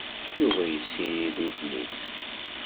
Yuba yessirid udem-is.